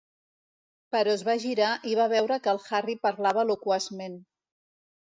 Però es va girar i va veure que el Harry parlava loquaçment.